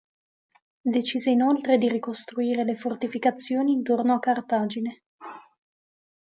Decise inoltre di ricostruire le fortificazioni intorno a Cartagine.